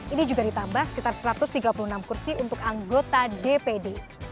ini juga ditambah sekitar satu ratus tiga puluh enam kursi untuk anggota dpd